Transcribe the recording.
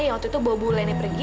yang waktu itu bawa bulan ini pergi